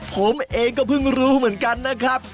ผมเองก็เพิ่งรู้เหมือนกันนะครับ